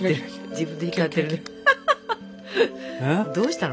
どうしたの？